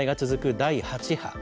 第８波。